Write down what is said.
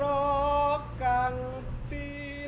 sma dua bantul